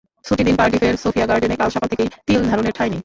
ছুটির দিন, কার্ডিফের সোফিয়া গার্ডেনে কাল সকাল থেকেই তিল ধারণের ঠাঁই নেই।